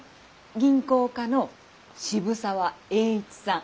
銀行家の渋沢栄一さん。